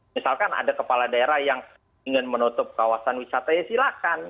misalkan ada kepala daerah yang ingin menutup kawasan wisata ya silahkan